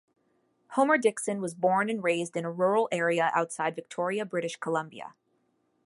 Homer-Dixon was born and raised in a rural area outside Victoria, British Columbia.